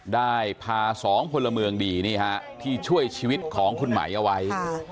ได้พาสองพลเมืองดีนี่ฮะที่ช่วยชีวิตของคุณไหมเอาไว้